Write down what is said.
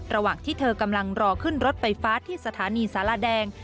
ระหว่างที่เธอกำลังรอขึ้นรถไฟฟ้าที่สถานีสารแดง